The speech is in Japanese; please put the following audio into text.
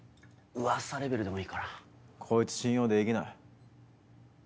噂レベルでもいいから。こいつ信用できない。